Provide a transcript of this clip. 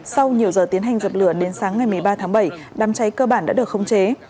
sau nhiều giờ tiến hành dập lửa đến sáng ngày một mươi ba tháng bảy đám cháy cơ bản đã được khống chế